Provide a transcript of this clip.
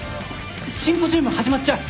シンポジウム始まっちゃう。